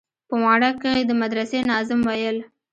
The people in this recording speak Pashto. په واڼه کښې د مدرسې ناظم ويل.